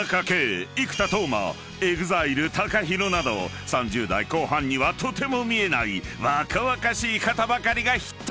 ［ＥＸＩＬＥＴＡＫＡＨＩＲＯなど３０代後半にはとても見えない若々しい方ばかりがヒット！